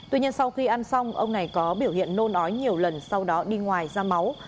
tuy nhiên sau khi ăn xong ông này có biểu hiện nôn ói nhiều lần sau đó đi ngoài ra máu